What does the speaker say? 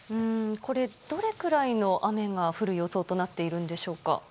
これ、どれくらいの雨が降る予想となっているんでしょうか。